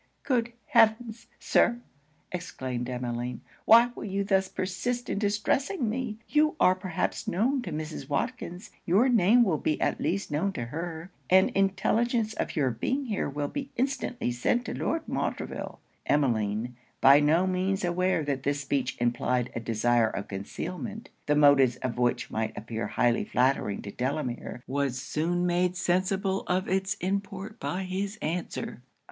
'Good heaven! Sir,' exclaimed Emmeline, 'why will you thus persist in distressing me? You are perhaps known to Mrs. Watkins; your name will be at least known to her; and intelligence of your being here will be instantly sent to Lord Montreville.' Emmeline, by no means aware that this speech implied a desire of concealment, the motives of which might appear highly flattering to Delamere, was soon made sensible of it's import by his answer.